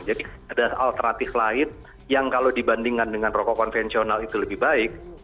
jadi ada alternatif lain yang kalau dibandingkan dengan rokok konvensional itu lebih baik